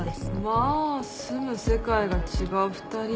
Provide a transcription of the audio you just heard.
まあ住む世界が違う２人ですよね？